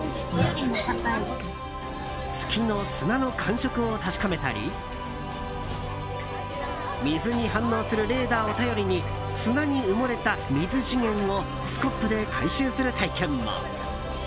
月の砂の感触を確かめたり水に反応するレーダーを頼りに砂に埋もれた水資源をスコップで回収する体験も。